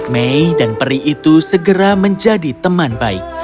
mei dan peri itu segera menjadi teman baik